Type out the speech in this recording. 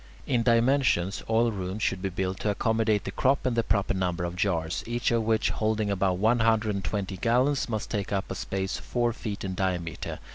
In dimensions, oil rooms should be built to accommodate the crop and the proper number of jars, each of which, holding about one hundred and twenty gallons, must take up a space four feet in diameter.